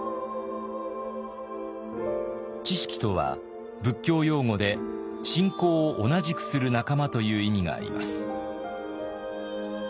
智識とは仏教用語で信仰を同じくする仲間という意味があります。